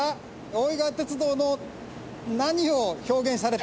大井川鐵道の何を表現されてるか。